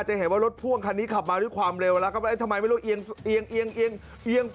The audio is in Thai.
จะเห็นว่ารถพ่วงคันนี้ขับมาด้วยความเร็วแล้วก็ทำไมไม่รู้เอียงเอียงเอียง